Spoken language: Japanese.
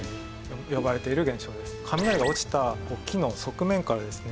雷が落ちた木の側面からですね